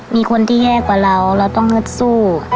มีคนที่แย่กว่าเราเราต้องฮึดสู้